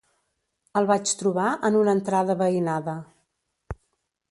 El vaig trobar en una entrada veïnada.